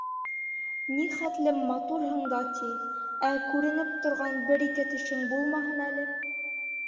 Ни хәтлем матурһың да, ти, ә күренеп торған бер-ике тешең булмаһын әле...